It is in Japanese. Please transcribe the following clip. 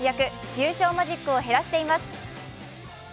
優勝マジックを減らしています。